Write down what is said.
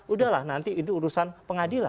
udah lah nanti itu urusan pengadilan